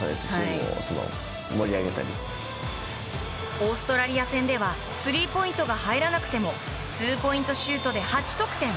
オーストラリア戦ではスリーポイントが入らなくてもツーポイントシュートで８得点。